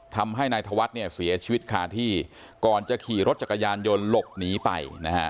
ทำให้นายธวัฒน์เนี่ยเสียชีวิตคาที่ก่อนจะขี่รถจักรยานยนต์หลบหนีไปนะฮะ